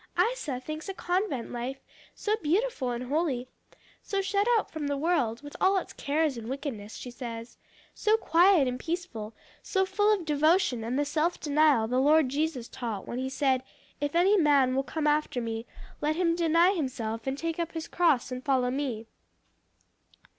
"Isa thinks a convent life so beautiful and holy, so shut out from the world, with all its cares and wickedness, she says; so quiet and peaceful, so full of devotion and the self denial the Lord Jesus taught when he said, 'If any man will come after me, let him deny himself and take up his cross and follow me.'